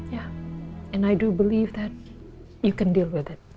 dan aku percaya bahwa kamu bisa mengatakannya